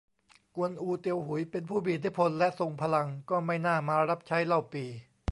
กวนอู เตียวหุย เป็นผู้มีอิทธิพล และทรงพลัง ก็ไม่น่ามารับใช้เล่าปี่